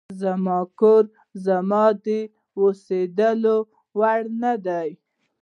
زما کور زما د اوسېدلو وړ نه دی.